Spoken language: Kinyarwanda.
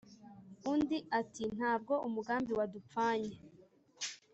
undi ati"ntabwo umugambi wadupfanye